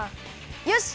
よし！